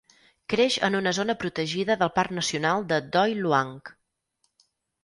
Creix en una zona protegida del parc nacional de Doi Luang.